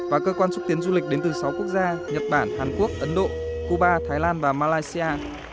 và cơ quan xúc tiến du lịch đến từ sáu quốc gia nhật bản hàn quốc ấn độ cuba thái lan và malaysia